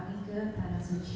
kami ke tanah suci